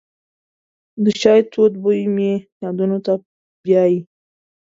د چای تود بوی مې یادونو ته بیایي.